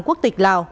quốc tịch lào